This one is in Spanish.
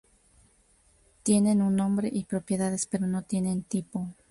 Tienen un nombre y propiedades pero no tienen tipo.